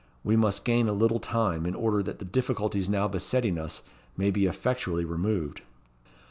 We must gain a little time, in order that the difficulties now besetting us may be effectually removed."